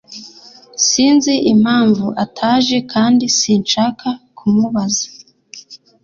Sinzi impamvu ataje kandi sinshaka kumubaza.